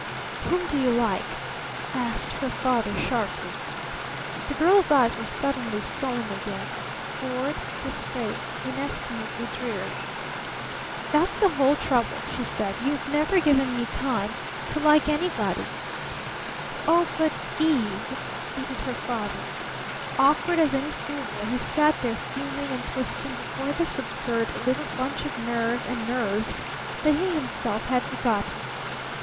"Whom do you like?" asked her father sharply. The girl's eyes were suddenly sullen again bored, distrait, inestimably dreary. "That's the whole trouble," she said. "You've never given me time to like anybody." "Oh, but Eve," pleaded her father. Awkward as any schoolboy, he sat there, fuming and twisting before this absurd little bunch of nerve and nerves that he himself had begotten.